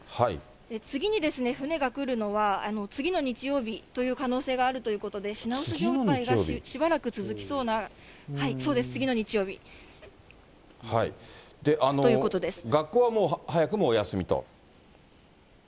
次に船が来るのは、次の日曜日という可能性があるということで、品薄状態がしばらく続きそうな、学校は早くもお休みと？